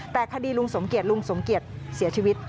แต่คดีลุงสมเกียจลุงสมเกียจเสียชีวิต